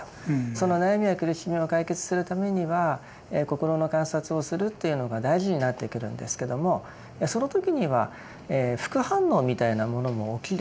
その悩みや苦しみを解決するためには心の観察をするっていうのが大事になってくるんですけどもその時には副反応みたいなものも起きると。